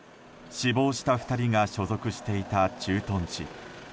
死亡した２人が所属していた駐屯地。